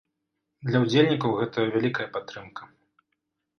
Для ўдзельнікаў гэта вялікая падтрымка.